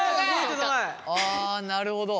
あなるほど。